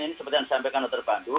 ini seperti yang disampaikan dr pandu